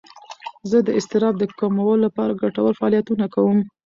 زه د اضطراب د کمولو لپاره ګټور فعالیتونه کوم.